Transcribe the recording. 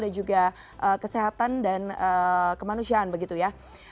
dan juga kesehatan dan kemanusiaan begitu ya